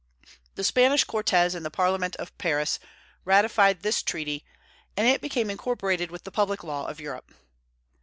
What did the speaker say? The Spanish Cortes and the Parliament of Paris ratified this treaty, and it became incorporated with the public law of Europe.